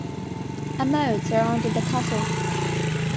A moat surrounded the castle.